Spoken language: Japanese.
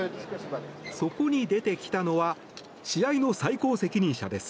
そこに出てきたのは試合の最高責任者です。